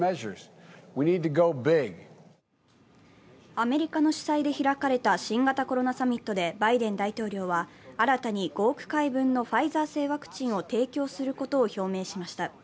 アメリカの主催で開かれた新型コロナサミットでバイデン大統領は新たに５億回分のファイザー製ワクチンを提供することを表明しました。